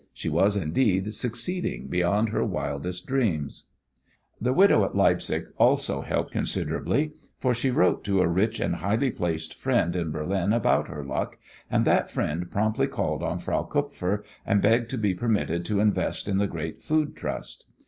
She was, indeed, succeeding beyond her wildest dreams. The widow at Leipzig also helped considerably, for she wrote to a rich and highly placed friend in Berlin about her luck, and that friend promptly called on Frau Kupfer, and begged to be permitted to invest in the great food trust.